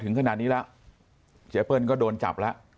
ถึงขนาดนี้แล้วเจ๊เปิ้ลก็โดนจับแล้ว